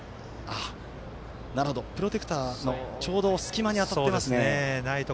プロテクターの、ちょうど隙間に当たっていますね。